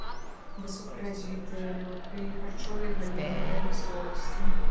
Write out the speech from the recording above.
Высокаразвітыя лёгкая і харчовая галіны прамысловасці.